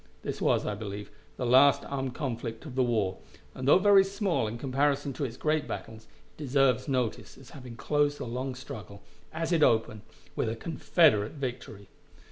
This was, I believe, the last armed conflict of the war, and, though very small in comparison to its great battles, it deserves notice as having closed the long struggle as it opened with a Confederate victory.